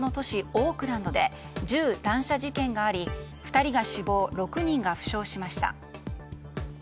オークランドで銃乱射事件があり２人が死亡、６人が負傷しました。